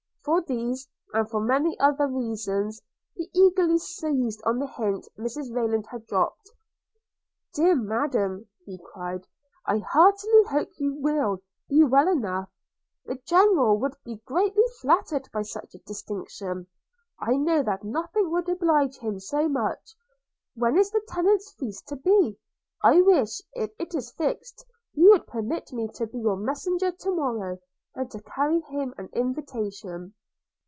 – For these, and for many other reasons, he eagerly seized on the hint Mrs Rayland had dropped. 'Dear Madam,' cried he, 'I heartily hope you will be well enough. The General would be greatly flattered by such a distinction! I know that nothing would oblige him so much. When is the tenants' feast to be? I wish, if it is fixed, you would permit me to be your messenger to morrow, and to carry him an invitation.'